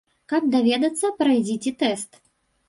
Каб даведацца, прайдзіце тэст.